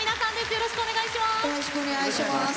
よろしくお願いします。